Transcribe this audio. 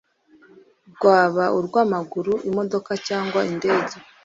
rwaba urw'amaguru, imodoka cyangwa indege